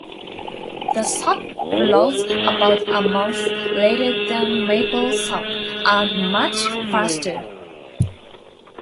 The sap flows about a month later than maple sap, and much faster.